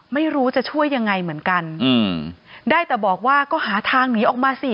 ไม่รู้จะช่วยยังไงเหมือนกันอืมได้แต่บอกว่าก็หาทางหนีออกมาสิ